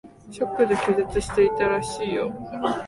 ショックで気絶していたらしいよ。